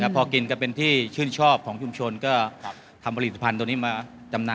พอกินก็เป็นที่ชื่นชอบของชุมชนก็ทำผลิตภัณฑ์ตัวนี้มาจำหน่าย